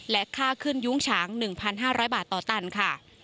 และค่าขึ้นยุ้งฉาง๑๕๐๐บาทต่อตันค่ะ